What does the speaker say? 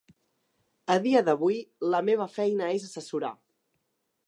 A dia d’avui la meva feina és assessorar.